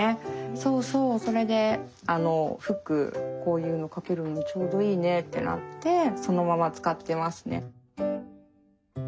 そうそうそれでフックこういうのかけるのにちょうどいいねってなってそのまま使ってますね。